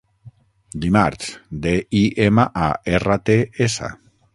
Dimarts: de, i, ema, a, erra, te, essa